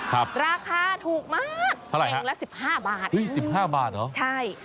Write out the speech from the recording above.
ครับราคาถูกมากเท่าไหร่ฮะแปลงละสิบห้าบาทอื้อสิบห้าบาทเหรอใช่